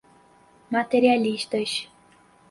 materialistas